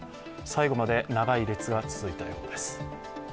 最後まで長い列が続いたようです。